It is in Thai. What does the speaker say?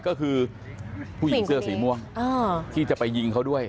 ก็คือผู้หญิงเสื้อสีม่วงที่จะไปยิงเขาด้วย